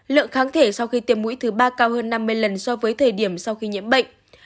lượng kháng thể sau khi tiêm mũi thứ ba cao hơn năm mươi lần so với thời điểm sau khi nhiễm bệnh